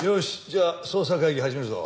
じゃあ捜査会議始めるぞ。